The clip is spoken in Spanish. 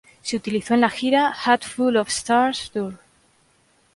Se utilizó en la gira Hat Full of Stars Tour.